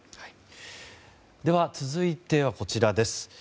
続いてはこちらです。